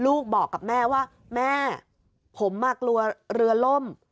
ลูกบอกกับแม่ว่าแม่ผมกลัวเรือล่ม